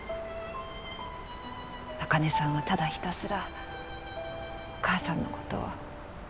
茜さんはただひたすらお母さんの事を。